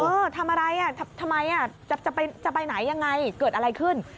ทำอะไรอ่ะทำไมจะไปไหนยังไงเกิดอะไรขึ้น